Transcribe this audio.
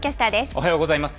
おはようございます。